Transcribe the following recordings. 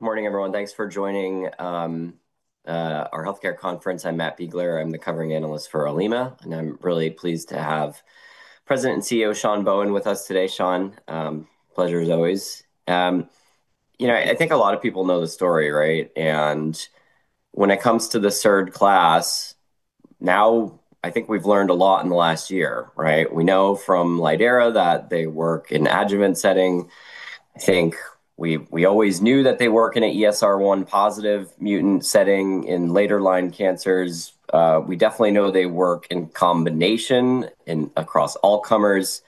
Good morning, everyone. Thanks for joining our healthcare conference. I'm Matt Biegler. I'm the covering analyst for Olema, and I'm really pleased to have President and CEO Sean Bohen with us today. Sean, pleasure as always. You know, I think a lot of people know the story, right? When it comes to the SERD class, now, I think we've learned a lot in the last year, right? We know from lidERA that they work in adjuvant setting. I think we always knew that they work in a ESR1 positive mutant setting in later line cancers. We definitely know they work in combination across all comers.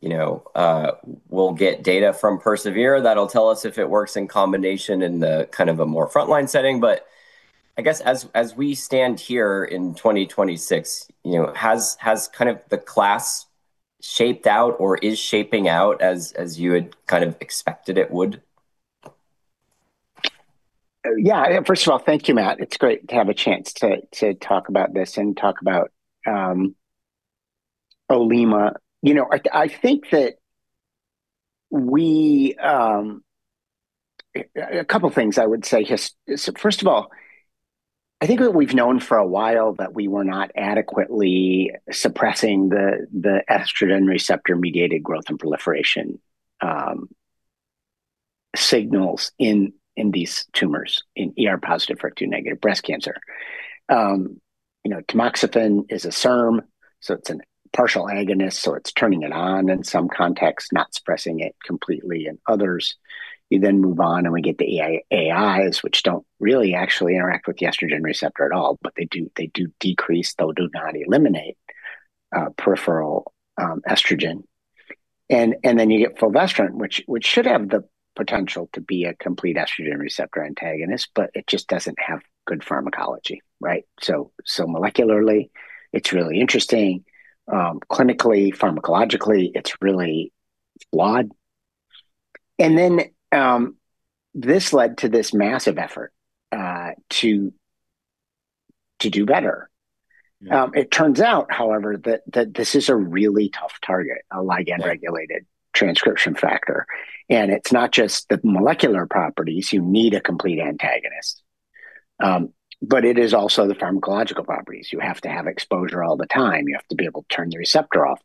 You know, we'll get data from persevERA that'll tell us if it works in combination in the kind of a more frontline setting. I guess as we stand here in 2026, you know, has kind of the class shaped out or is shaping out as you had kind of expected it would? Yeah. First of all, thank you, Matt. It's great to have a chance to talk about this and talk about Olema. You know, I think that we, a couple of things I would say here. First of all, I think that we've known for a while that we were not adequately suppressing the estrogen receptor-mediated growth and proliferation, signals in these tumors, in ER-positive, HER2 negative breast cancer. You know, tamoxifen is a SERM, so it's a partial agonist, so it's turning it on in some contexts, not suppressing it completely in others. You then move on. We get the AI, AIs, which don't really actually interact with the estrogen receptor at all, but they do decrease, though do not eliminate, peripheral estrogen. You get fulvestrant, which should have the potential to be a complete estrogen receptor antagonist, but it just doesn't have good pharmacology, right? Molecularly, it's really interesting. Clinically, pharmacologically, it's really flawed. This led to this massive effort to do better. Yeah. it turns out, however, that this is a really tough target, a ligand-regulated... Right... transcription factor. It's not just the molecular properties. You need a complete antagonist. It is also the pharmacological properties. You have to have exposure all the time. You have to be able to turn the receptor off,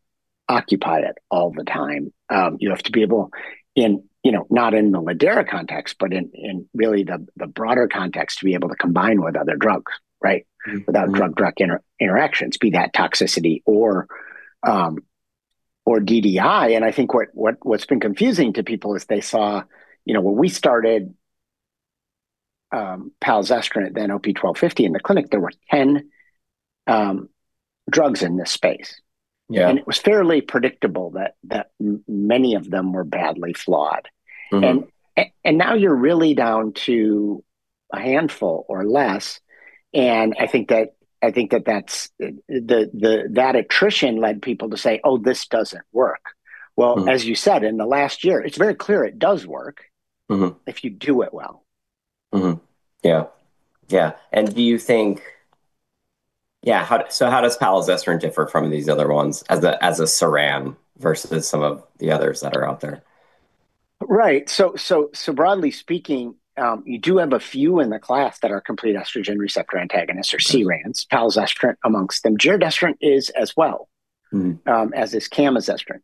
occupy it all the time. You have to be able in, you know, not in the lidERA context, but in really the broader context, to be able to combine with other drugs, right? Mm-hmm. Without drug-drug interactions, be that toxicity or DDI. I think what's been confusing to people is they saw. You know, when we started, palazestrant, then OP-1250 in the clinic, there were ten drugs in this space. Yeah. It was fairly predictable that many of them were badly flawed. Mm-hmm. Now you're really down to a handful or less, and I think that, I think that that's, that attrition led people to say, "Oh, this doesn't work. Mm-hmm. Well, as you said, in the last year, it's very clear it does work. Mm-hmm... if you do it well. Mm-hmm. Yeah. Yeah. How does palazestrant differ from these other ones as a, as a SERM versus some of the others that are out there? Right. Broadly speaking, you do have a few in the class that are complete estrogen receptor antagonists or CERAs, palazestrant amongst them giredestrant is as well. Mm-hmm as is camizestrant.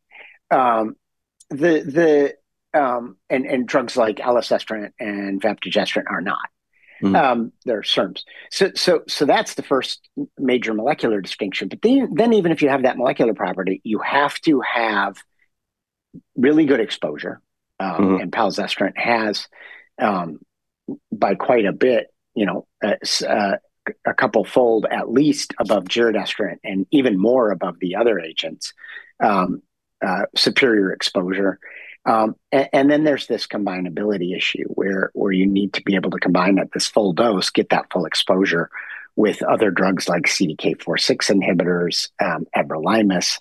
Drugs like elacestrant and fabtuzastrant are not. Mm-hmm. They're SERMs. That's the first major molecular distinction. Even if you have that molecular property, you have to have really good exposure- Mm-hmm... and palazestrant has, by quite a bit, you know, a 2-fold at least above giredestrant and even more above the other agents, superior exposure. Then there's this combinability issue, where you need to be able to combine at this full dose, get that full exposure with other drugs like CDK4/6 inhibitors, everolimus,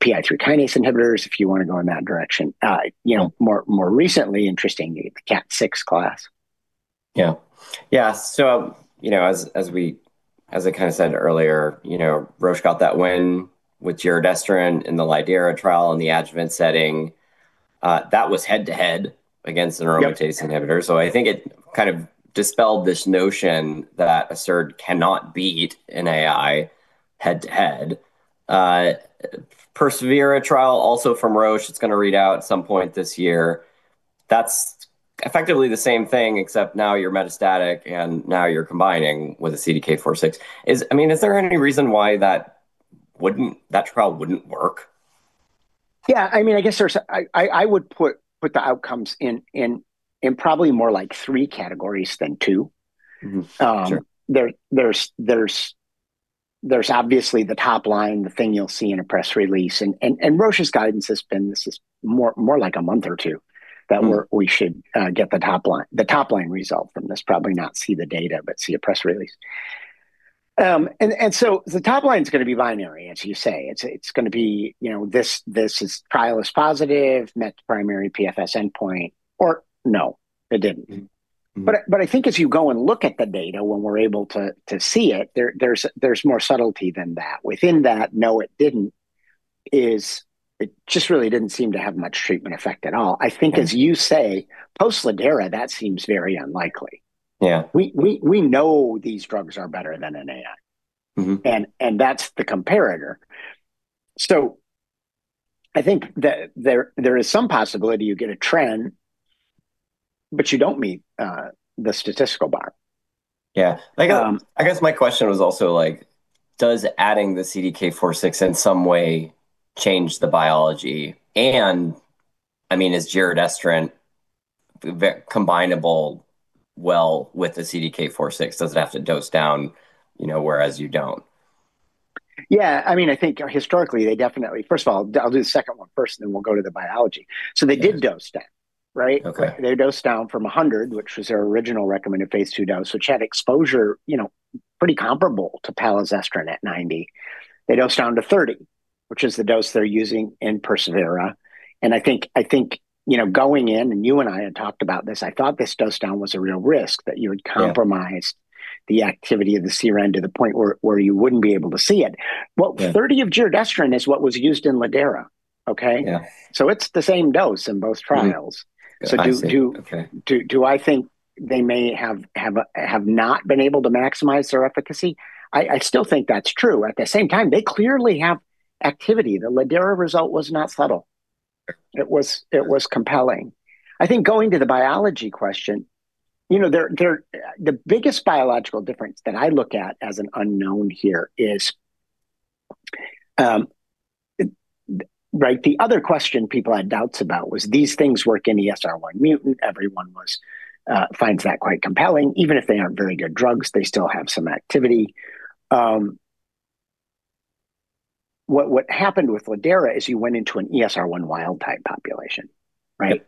PI3 kinase inhibitors, if you want to go in that direction. You know, more recently interesting, you get the KAT6 class. Yeah. Yeah, you know, as I kind of said earlier, you know, Roche got that win with giredestrant in the lidERA trial in the adjuvant setting. That was head-to-head against an aromatase-. Yep... inhibitor. I think it kind of dispelled this notion that a SERD cannot beat an AI head-to-head persevERA, also from Roche, it's going to read out at some point this year. That's effectively the same thing, except now you're metastatic, and now you're combining with a CDK4/6. I mean, is there any reason why that trial wouldn't work? Yeah, I mean, I guess I would put the outcomes in probably more like three categories than two. Mm-hmm. Sure. There's obviously the top line, the thing you'll see in a press release. Roche's guidance has been, "This is more like a month or two- Mm... that we should get the top line result from this. Probably not see the data, but see a press release." The top line is going to be binary, as you say. It's going to be, you know, this trial is positive, met primary PFS endpoint, or no, it didn't. Mm-hmm. I think as you go and look at the data, when we're able to see it, there's more subtlety than that. Mm. Within that, no, it just really didn't seem to have much treatment effect at all. Yeah. I think, as you say, post-lidERA, that seems very unlikely. Yeah. We know these drugs are better than an AI. Mm-hmm. That's the comparator. I think that there is some possibility you get a trend, but you don't meet the statistical bar. Yeah. Um- I guess my question was also, like, does adding the CDK4/6 in some way change the biology? I mean, is giredestrant combinable well with the CDK4/6? Does it have to dose down, you know, whereas you don't? I mean, I think historically, First of all, I'll do the second one first, then we'll go to the biology. Yeah. They did dose down, right? Okay. They dosed down from 100, which was their original recommended phase II dose, which had exposure, you know, pretty comparable to palazestrant at 90. They dosed down to 30, which is the dose they're using in persevERA. I think, you know, going in, and you and I had talked about this, I thought this dose down was a real risk, that you would. Yeah compromise the activity of the SERD to the point where you wouldn't be able to see it. Yeah. Well, 30 of giredestrant is what was used in lidERA, okay? Yeah. It's the same dose in both trials. Yeah. I see, okay. Do I think they may have not been able to maximize their efficacy? I still think that's true. At the same time, they clearly have activity. The LIDERA result was not subtle. It was compelling. I think going to the biology question, you know, the biggest biological difference that I look at as an unknown here is, right. The other question people had doubts about was, these things work in ESR1 mutant. Everyone finds that quite compelling. Even if they aren't very good drugs, they still have some activity. What happened with LIDERA is you went into an ESR1 wild type population, right?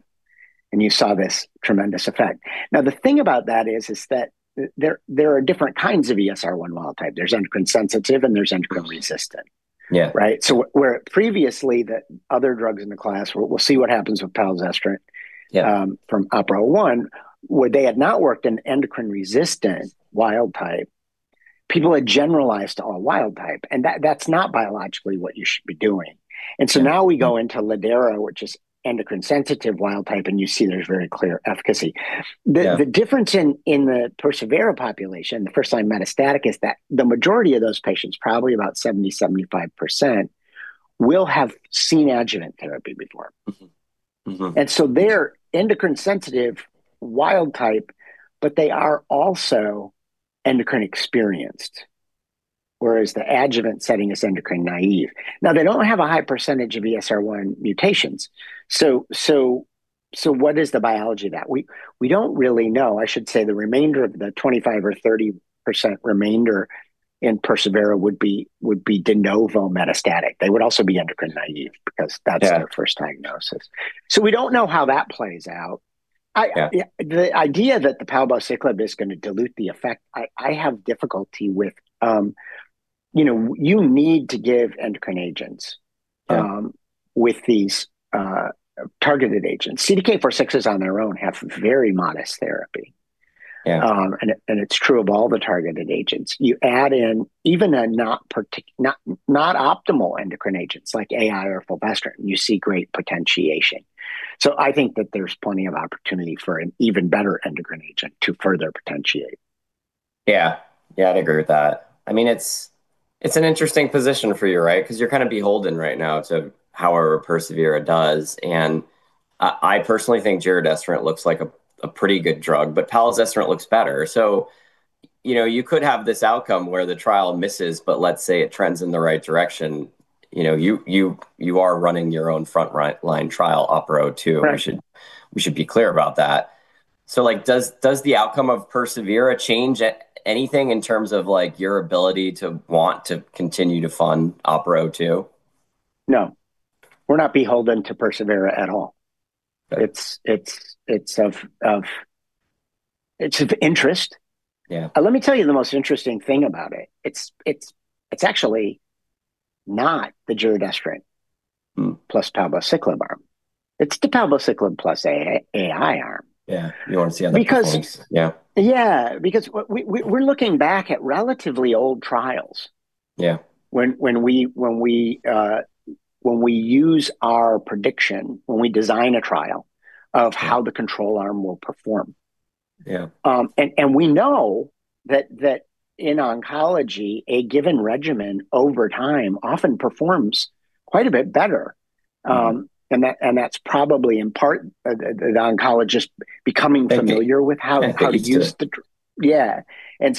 Yeah. You saw this tremendous effect. The thing about that is that there are different kinds of ESR1 wild type. There's endocrine sensitive, and there's endocrine resistant. Yeah. Right? where previously, the other drugs in the class. We'll see what happens with palazestrant. Yeah... from OPERA-01, where they had not worked in endocrine-resistant wild type. People had generalized all wild type, and that's not biologically what you should be doing. Yeah. Now we go into lidERA, which is endocrine-sensitive wild type, and you see there's very clear efficacy. Yeah. The difference in the persevERA population, the first-line metastatic, is that the majority of those patients, probably about 70-75%, will have seen adjuvant therapy before. Mm-hmm. Mm-hmm. They're endocrine sensitive wild type, but they are also endocrine experienced, whereas the adjuvant setting is endocrine naive. They don't have a high percentage of ESR1 mutations, so what is the biology of that? We don't really know. I should say, the remainder of the 25% or 30% remainder in PERSEVERA would be de novo metastatic. They would also be endocrine naive. Yeah because that's their first diagnosis. We don't know how that plays out. Yeah. The idea that the palbociclib is gonna dilute the effect, I have difficulty with. You know, you need to give endocrine agents- Yeah... with these targeted agents. CDK4/6s on their own have very modest therapy. Yeah. It's true of all the targeted agents. You add in even a not optimal endocrine agents, like AI or fulvestrant, you see great potentiation. I think that there's plenty of opportunity for an even better endocrine agent to further potentiate. Yeah. Yeah, I'd agree with that. I mean, it's an interesting position for you, right? You're kind of beholden right now to how our persevERA does, and I personally think giredestrant looks like a pretty good drug, but palazestrant looks better. You know, you could have this outcome where the trial misses, but let's say it trends in the right direction. You are running your own front line trial, OPERA-02. Right. We should be clear about that. Like, does the outcome of persevERA change anything in terms of, like, your ability to want to continue to fund OPERA-02? No. We're not beholden to persevERA at all. Okay. It's of interest. Yeah. Let me tell you the most interesting thing about it. It's actually not the giredestrant. Mm... +palbociclib arm. It's the palbociclib +AI arm. Yeah, you want to see how that goes. Because- Yeah. Yeah, because we're looking back at relatively old trials- Yeah... when we use our prediction, when we design a trial of how the control arm will perform. Yeah. We know that in oncology, a given regimen over time often performs quite a bit better. Mm. That's probably in part, the oncologist becoming. Thank you.... with how to use. Yes,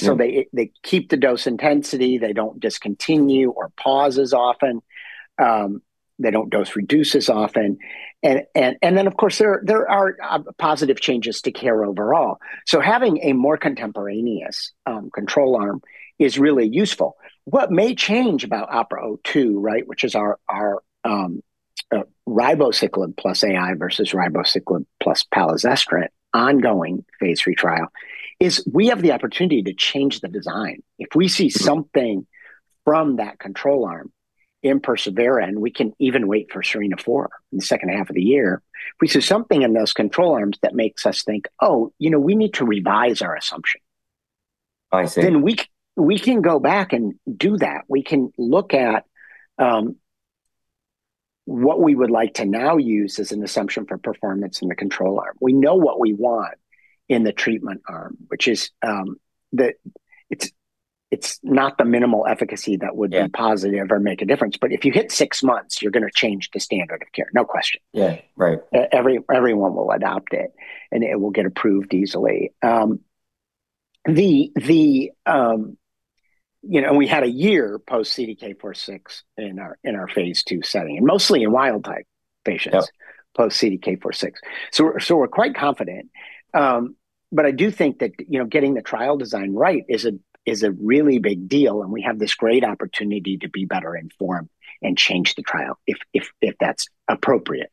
sir. Yeah. Yeah. They keep the dose intensity. They don't discontinue or pause as often. They don't dose reduce as often. Then, of course, there are positive changes to care overall. Having a more contemporaneous control arm is really useful. What may change about OPERA-02, right, which is our ribociclib plus AI versus ribociclib plus palazestrant ongoing Phase III trial, is we have the opportunity to change the design. Mm. If we see something from that control arm in persevERA, and we can even wait for SERENA-4 in the second half of the year, if we see something in those control arms that makes us think, "Oh, you know, we need to revise our assumption." We can go back and do that. We can look at what we would like to now use as an assumption for performance in the control arm. We know what we want in the treatment arm, which is, it's not the minimal efficacy that would. Yeah be positive or make a difference. If you hit six months, you're going to change the standard of care. No question. Yeah. Right. everyone will adopt it, and it will get approved easily. you know, We had a year post CDK4/6 in our Phase II setting, and mostly in wild type patients. Yeah... post CDK4/6. We're quite confident. I do think that, you know, getting the trial design right is a really big deal, and we have this great opportunity to be better informed and change the trial if that's appropriate.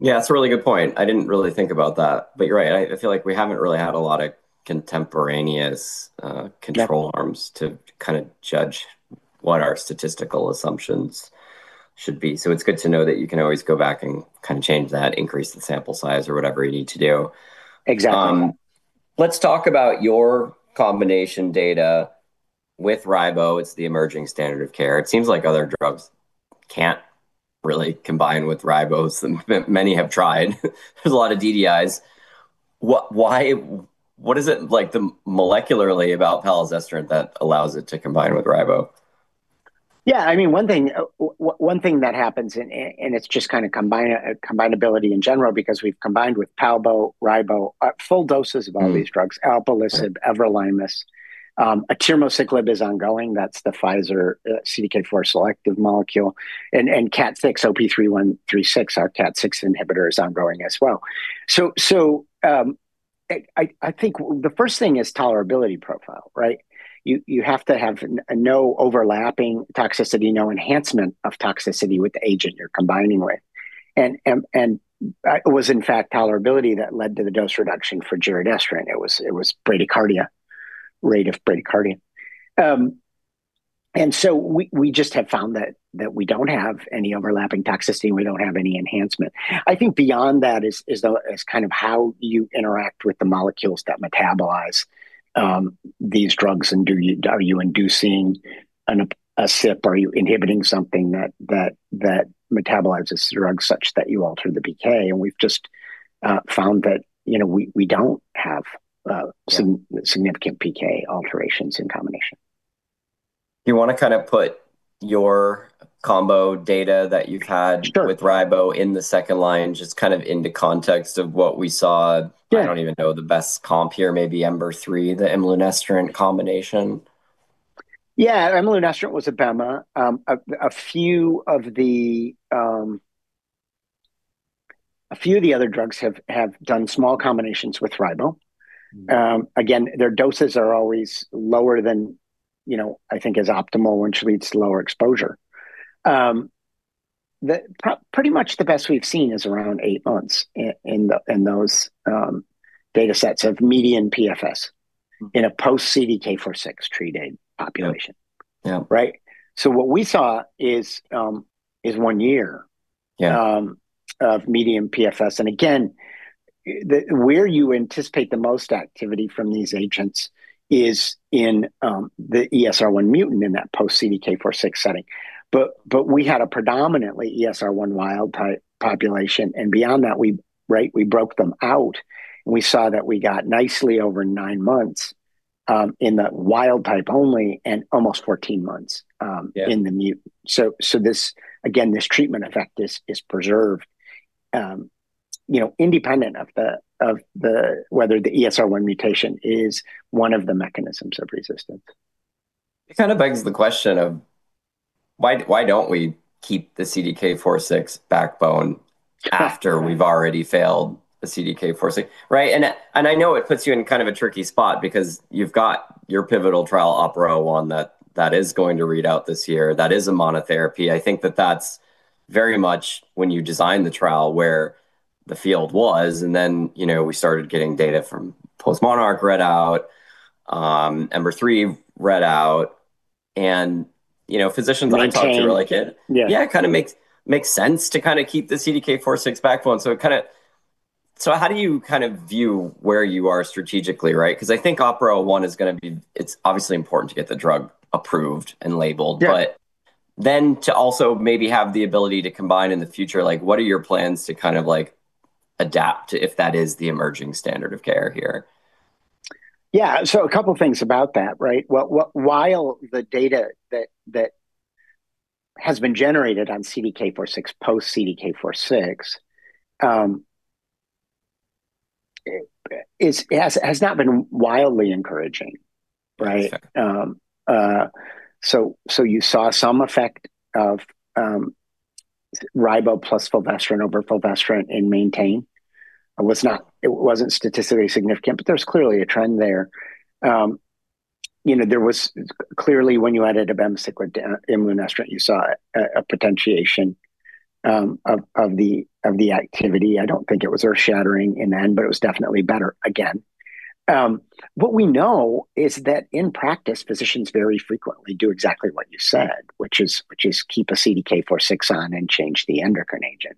Yeah, it's a really good point. I didn't really think about that, but you're right. I feel like we haven't really had a lot of contemporaneous. Yeah... arms to kind of judge what our statistical assumptions should be. It's good to know that you can always go back and kind of change that, increase the sample size or whatever you need to do. Exactly. Let's talk about your combination data with Ribo. It's the emerging standard of care. It seems like other drugs can't really combine with Ribos, and many have tried. There's a lot of DDIs. What is it like the molecularly about palazestrant that allows it to combine with Ribo? Yeah, I mean, one thing that happens, and it's just kind of combinability in general, because we've combined with palbo, ribo, full doses of all these drugs. Mm-hmm. Alpelisib, everolimus. Atirmociclib is ongoing. That's the Pfizer CDK4 selective molecule. KAT6, OP-3136, our KAT6 inhibitor is ongoing as well. I think the first thing is tolerability profile, right? You have to have no overlapping toxicity, no enhancement of toxicity with the agent you're combining with. It was, in fact, tolerability that led to the dose reduction for giredestrant. It was bradycardia, rate of bradycardia. We just have found that we don't have any overlapping toxicity, and we don't have any enhancement. I think beyond that is kind of how you interact with the molecules that metabolize these drugs, and are you inducing a CYP? Are you inhibiting something that metabolizes the drug such that you alter the PK? We've just found that, you know, we don't have. Yeah... significant PK alterations in combination. You want to kind of put your combo data that you've had... Sure... with Ribo in the second line, just kind of into context of what we saw? Yeah. I don't even know the best comp here, maybe EMBER-3, the imlunestrant combination. Yeah, Imlunestrant was abemaciclib. A few of the other drugs have done small combinations with ribo. Mm-hmm. Again, their doses are always lower than, you know, I think is optimal, which leads to lower exposure. Pretty much the best we've seen is around eight months in the, in those, data sets of median PFS. Mm... in a post CDK4/6 treated population. Yeah. Right? what we saw is one year- Yeah of medium PFS. Again, where you anticipate the most activity from these agents is in the ESR1 mutant in that post CDK4/6 setting. We had a predominantly ESR1 wild type population, and beyond that, we... Right? We broke them out, and we saw that we got nicely over nine months in that wild type only, and almost 14 months. Yeah... in the mutant. This, again, this treatment effect, this is preserved, you know, independent of the whether the ESR1 mutation is one of the mechanisms of resistance. It kind of begs the question of why don't we keep the CDK4/6 backbone. Yeah... after we've already failed the CDK4/6, right? I know it puts you in kind of a tricky spot because you've got your pivotal trial OPERA-01 that is going to read out this year. That is a monotherapy. I think that that's very much when you designed the trial, where the field was, you know, we started getting data from postMONARCH read out, three, read out. You know, physicians that I talked to- Maintain... were like, "Yeah. Yeah. Yeah, it kind of makes sense to kind of keep the CDK4/6 backbone. How do you kind of view where you are strategically, right? I think OPERA-01, it's obviously important to get the drug approved and labeled- Yeah to also maybe have the ability to combine in the future, like, what are your plans to kind of, like, adapt if that is the emerging standard of care here? Yeah. A couple things about that, right? While the data that has been generated on CDK4/6, post CDK4/6, it's, it has not been wildly encouraging, right? Yeah. You saw some effect of Ribo+ fulvestrant over fulvestrant in MAINTAIN. It wasn't statistically significant, but there was clearly a trend there. You know, Clearly, when you added abemaciclib imlunestrant, you saw a potentiation of the activity. I don't think it was earth-shattering in the end, but it was definitely better, again. What we know is that in practice, physicians very frequently do exactly what you said, which is keep a CDK4/6 on and change the endocrine agent.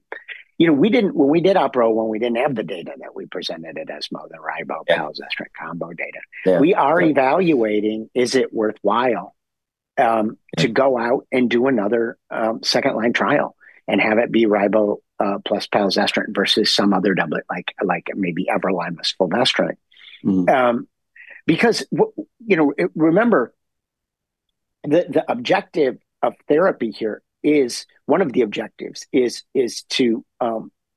you know, we didn't, when we did OPERA-01, we didn't have the data that we presented at ESMO, the Ribo-Palbociclib combo data. Yeah. We are evaluating, is it worthwhile, to go out and do another, second-line trial and have it be ribo plus Palbociclib versus some other doublet, like maybe everolimus fulvestrant? Mm. Because you know, it, remember, the objective of therapy here is one of the objectives is to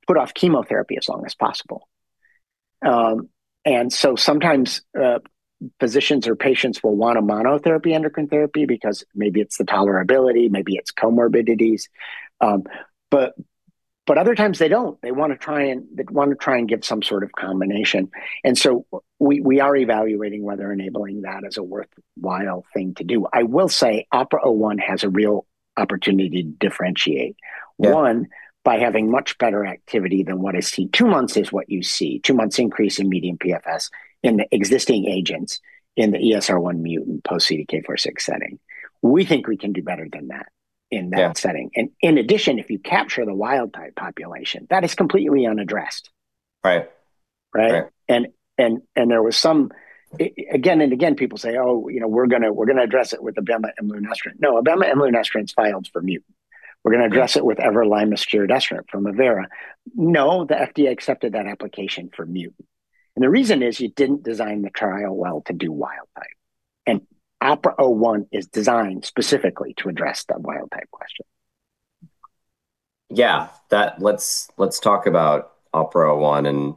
put off chemotherapy as long as possible. Sometimes physicians or patients will want a monotherapy endocrine therapy because maybe it's the tolerability, maybe it's comorbidities. Other times they don't. They want to try and get some sort of combination. We are evaluating whether enabling that is a worthwhile thing to do. I will say, OPERA-01 has a real opportunity to differentiate. Yeah. One, by having much better activity than what is seen. Two months is what you see, two months increase in median PFS in the existing agents in the ESR1 mutant post-CDK4/6 setting. We think we can do better than that. Yeah... setting. In addition, if you capture the wild type population, that is completely unaddressed. Right. Right? Right. There was some, again and again, people say, "Oh, you know, we're gonna address it with abemaciclib and imlunestrant." No, abemaciclib and imlunestrant is filed for mutant. Right. We're gonna address it with everolimus/verodegastat from Arvinas." No, the FDA accepted that application for mutant. The reason is, you didn't design the trial well to do wild type. OPERA-01 is designed specifically to address that wild type question. Yeah. Let's talk about OPERA-01 and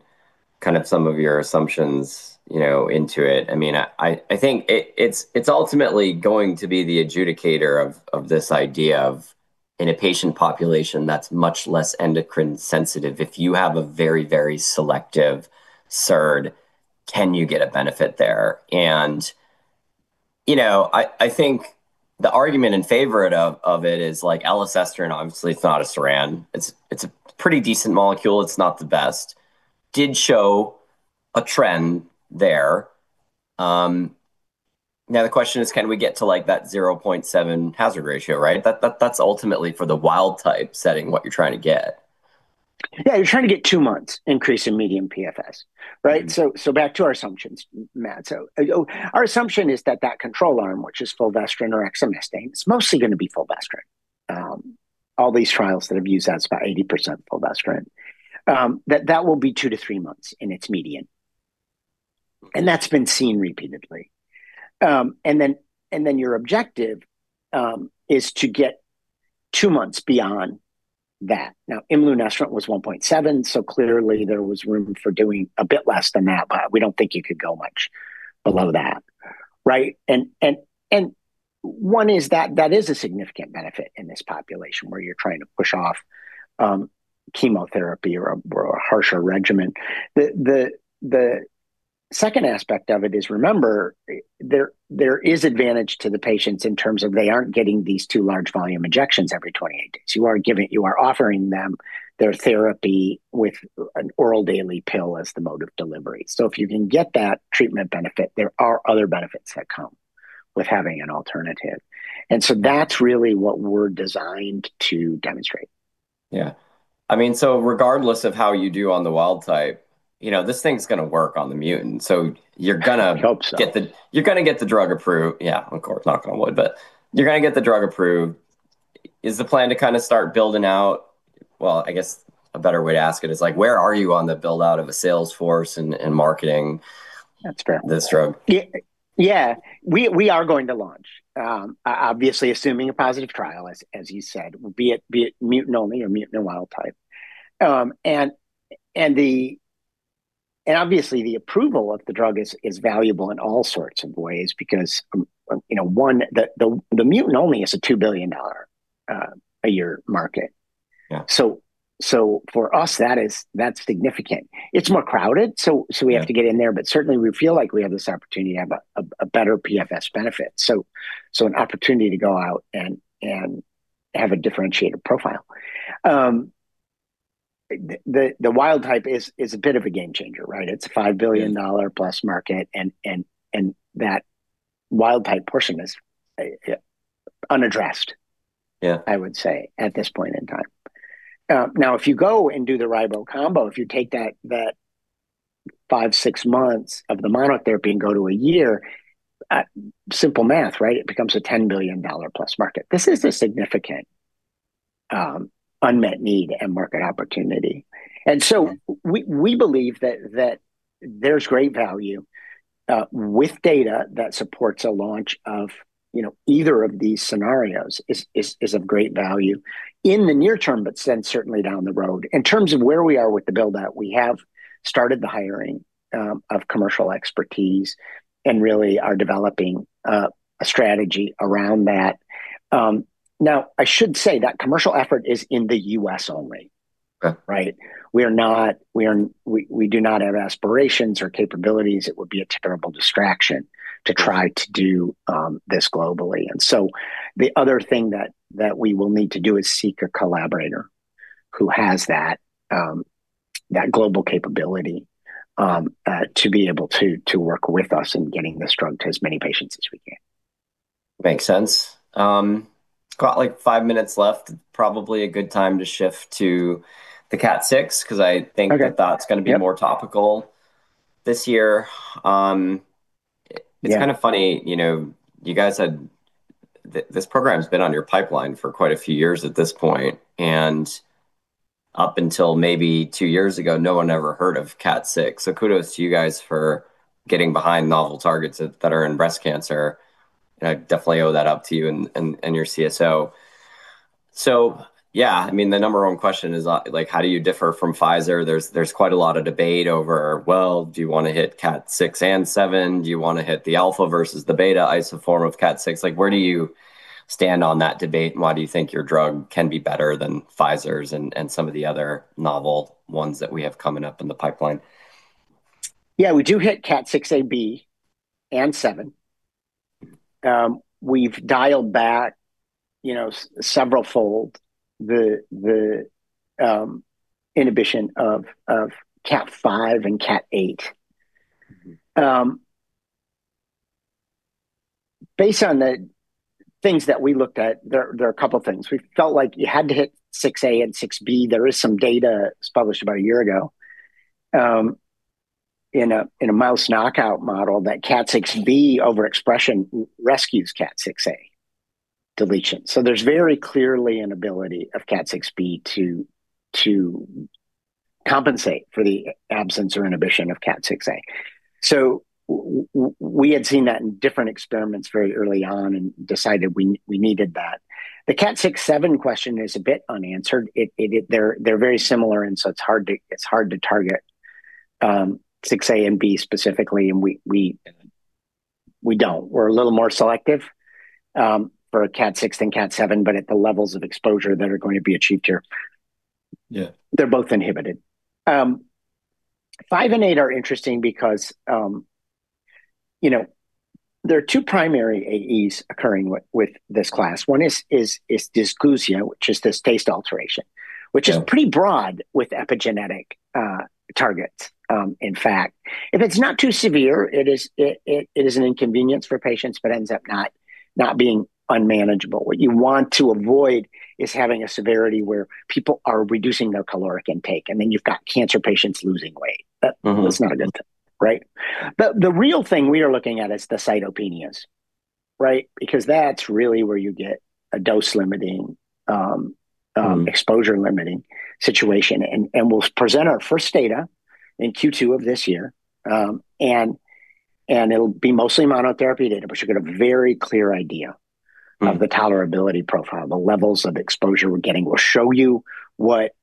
kind of some of your assumptions, you know, into it. I mean, I think it's ultimately going to be the adjudicator of this idea of in a patient population that's much less endocrine sensitive, if you have a very selective SERD, can you get a benefit there? You know, I think the argument in favor of it is, like, elacestrant obviously is not a CERAN. It's a pretty decent molecule, it's not the best. Did show a trend there. Now the question is: can we get to, like, that 0.7 hazard ratio, right? That's ultimately for the wild type setting, what you're trying to get. Yeah, you're trying to get two months increase in medium PFS, right? Mm-hmm. Back to our assumptions, Matt. Our assumption is that control arm, which is fulvestrant or Exemestane, it's mostly gonna be fulvestrant. All these trials that have used, that's about 80% fulvestrant. That will be 2-3 months in its median, and that's been seen repeatedly. Your objective is to get two months beyond that. Now, imlunestrant was 1.7, so clearly there was room for doing a bit less than that, but we don't think you could go much below that, right? One is that is a significant benefit in this population where you're trying to push off chemotherapy or a harsher regimen. The second aspect of it is, remember, there is advantage to the patients in terms of they aren't getting these two large volume injections every 28 days. You are offering them their therapy with an oral daily pill as the mode of delivery. If you can get that treatment benefit, there are other benefits that come with having an alternative. That's really what we're designed to demonstrate. Yeah. I mean, regardless of how you do on the wild type, you know, this thing's gonna work on the mutant, so you're gonna... I hope so. you're gonna get the drug approved. Yeah, of course, knock on wood, but you're gonna get the drug approved. Well, I guess a better way to ask it is, like, where are you on the build-out of a sales force and marketing- That's correct.... this drug? Yeah. We are going to launch, obviously, assuming a positive trial, as you said, be it mutant only or mutant and wild type. Obviously, the approval of the drug is valuable in all sorts of ways because, you know, one, the mutant only is a $2 billion a year market. Yeah. For us, that is, that's significant. It's more crowded. Yeah We have to get in there, but certainly we feel like we have this opportunity to have a better PFS benefit. An opportunity to go out and have a differentiated profile. The wild type is a bit of a game changer, right? Yeah. It's a $5 billion plus market, and that wild type portion is unaddressed. Yeah I would say, at this point in time. Now, if you go and do the Ribo combo, if you take that five, six months of the monotherapy and go to a year, simple math, right? It becomes a $10 billion plus market. This is a significant, unmet need and market opportunity. Yeah. We believe that there's great value with data that supports a launch of, you know, either of these scenarios is of great value in the near term, but then certainly down the road. In terms of where we are with the build-out, we have started the hiring of commercial expertise, and really are developing a strategy around that. Now, I should say that commercial effort is in the U.S. only. Okay. Right? We are, we do not have aspirations or capabilities. It would be a terrible distraction- Right... to try to do, this globally. The other thing that we will need to do is seek a collaborator who has that global capability, to be able to work with us in getting this drug to as many patients as we can. Makes sense. Got like 5 minutes left, probably a good time to shift to the KAT6. Okay. that's gonna be more. Yep Topical this year. Yeah It's kind of funny, you know, you guys had, this program's been on your pipeline for quite a few years at this point, and up until maybe two years ago, no one ever heard of KAT6. Kudos to you guys for getting behind novel targets that are in breast cancer. I definitely owe that up to you and your CSO. Yeah, I mean, the number one question is, like, how do you differ from Pfizer? There's quite a lot of debate over, well, do you want to hit KAT6 and 7? Do you want to hit the alpha versus the beta isoform of KAT6? Like, where do you stand on that debate, and why do you think your drug can be better than Pfizer's and some of the other novel ones that we have coming up in the pipeline? Yeah, we do hit KAT6A, KAT6B, and KAT7. We've dialed back, you know, severalfold the inhibition of KAT5 and KAT8. Mm-hmm. Based on the things that we looked at, there are a couple of things. We felt like you had to hit KAT6A and KAT6B. There is some data, it was published about a year ago, in a mouse knockout model, that KAT6B overexpression rescues KAT6A deletion. There's very clearly an ability of KAT6B to compensate for the absence or inhibition of KAT6A. We had seen that in different experiments very early on and decided we needed that. The KAT6, 7 question is a bit unanswered. It they're very similar, and so it's hard to target KAT6A and B specifically, and we don't. We're a little more selective, for KAT6 than KAT7, but at the levels of exposure that are going to be achieved here. Yeah... they're both inhibited. 5 and 8 are interesting because, you know, there are two primary AEs occurring with this class. One is dysgeusia, which is this taste alteration... Yeah... which is pretty broad with epigenetic targets, in fact. If it's not too severe, it is an inconvenience for patients, but ends up not being unmanageable. What you want to avoid is having a severity where people are reducing their caloric intake, and then you've got cancer patients losing weight. Mm-hmm. That is not a good thing, right? The real thing we are looking at is the cytopenias, right? That's really where you get a dose-limiting. Mm... exposure-limiting situation. We'll present our first data in Q2 of this year. It'll be mostly monotherapy data, but you'll get a very clear Mm of the tolerability profile. The levels of exposure we're getting will show you what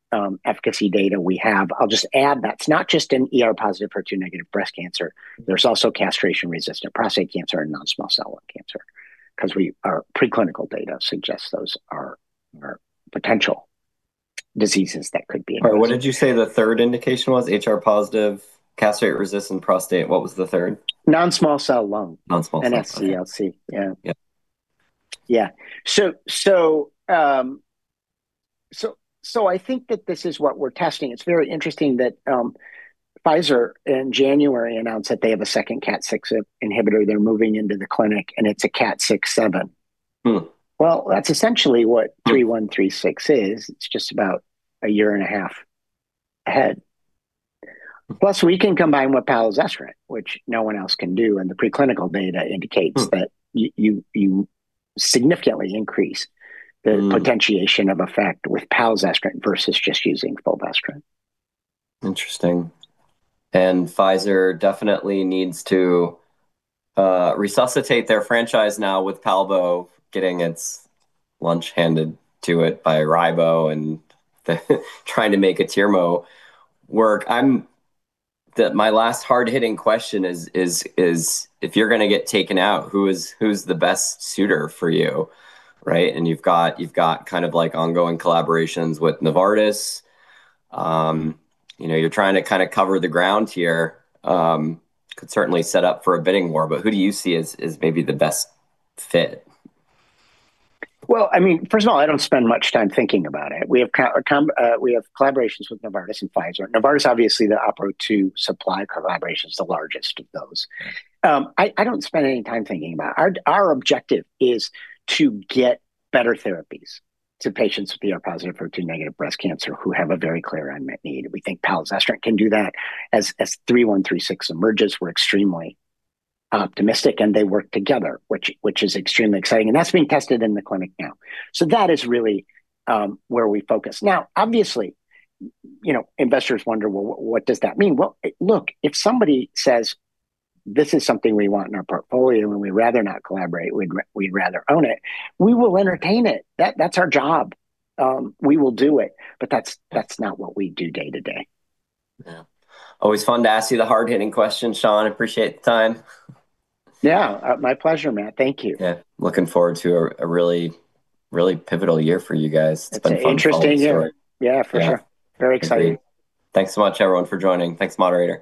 efficacy data we have. I'll just add that it's not just an ER-positive, HER2-negative breast cancer. There's also castration-resistant prostate cancer and non-small cell lung cancer, 'cause our preclinical data suggests those are potential diseases that could be. All right, what did you say the third indication was? HR-positive, castrate-resistant prostate, what was the third? Non-small cell lung- Non-small-cell NSCLC. Yeah. Yep. Yeah. I think that this is what we're testing. It's very interesting that Pfizer in January announced that they have a second KAT6 inhibitor. They're moving into the clinic, and it's a KAT6, 7. Mm. Well, that's essentially what. Mm... 3136 is. It's just about a year and a half ahead. Mm. Plus, we can combine with Palbociclib, which no one else can do, and the preclinical data indicates. Mm... that you significantly increase- Mm... the potentiation of effect with Palbociclib versus just using fulvestrant. Interesting. Pfizer definitely needs to resuscitate their franchise now, with palbo getting its lunch handed to it by Ribo and trying to make atirmociclib work. My last hard-hitting question is, if you're gonna get taken out, who is, who's the best suitor for you, right? You've got kind of like ongoing collaborations with Novartis. You know, you're trying to kind of cover the ground here. Could certainly set up for a bidding war, who do you see as maybe the best fit? Well, I mean, first of all, I don't spend much time thinking about it. We have collaborations with Novartis and Pfizer. Novartis, obviously, the OPERA-02 supply collaboration is the largest of those. I don't spend any time thinking about it. Our objective is to get better therapies to patients with ER-positive, HER2-negative breast cancer who have a very clear unmet need. We think palbociclib can do that. As OP-3136 emerges, we're extremely optimistic, and they work together, which is extremely exciting, and that's being tested in the clinic now. That is really where we focus. Now, obviously, you know, investors wonder, "Well, what does that mean?" Well, look, if somebody says, "This is something we want in our portfolio, and we'd rather not collaborate, we'd rather own it," we will entertain it. That's our job. We will do it, but that's not what we do day to day. Yeah. Always fun to ask you the hard-hitting questions, Sean. I appreciate the time. Yeah. My pleasure, Matt. Thank you. Yeah. Looking forward to a really, really pivotal year for you guys. It's been fun- It's an interesting year. watching the story. Yeah, for sure. Yeah. Very exciting. Thanks so much, everyone, for joining. Thanks, moderator.